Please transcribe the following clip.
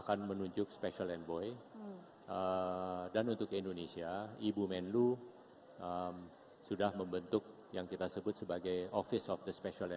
dan juga untuk negara negara